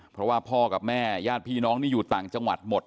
เพราะว่าพ่อกับแม่ญาติพี่น้องนี่อยู่ต่างจังหวัดหมด